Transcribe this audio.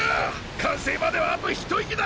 完成まであとひと息だ！